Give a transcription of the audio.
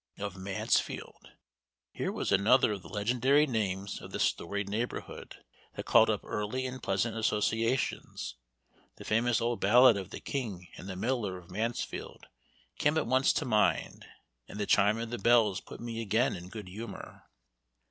"Of Mansfield!" Here was another of the legendary names of this storied neighborhood, that called up early and pleasant associations. The famous old ballad of the King and the Miller of Mansfield came at once to mind, and the chime of the bells put me again in good humor.